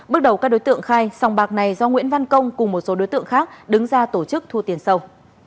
bước đầu các đối tượng khai sòng bạc này do nguyễn văn công cùng một số đối tượng khác đứng ra tổ chức thu tiền sâu